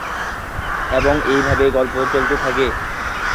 এবং এইভাবে গল্প চলতে থাকে।